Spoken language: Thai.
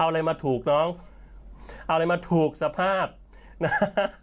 เอาอะไรมาถูกน้องเอาอะไรมาถูกสภาพนะฮะ